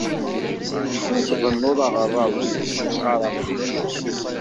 Ur tbennuḍ aɣerrabu s usɣar aqdim.